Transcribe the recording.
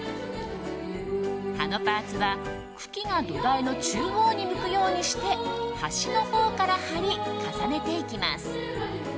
葉のパーツは茎が土台の中央に向くようにして端のほうから貼り重ねていきます。